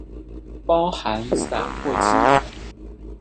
包含散货机。